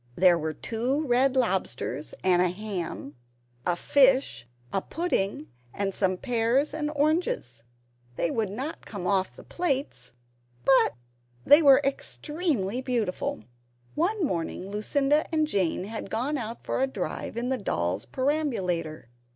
There were two red lobsters and a ham, a fish, a pudding, and some pears and oranges. They would not come off the plates, but they were extremely beautiful. One morning Lucinda and Jane had gone out for a drive in the doll's perambulator.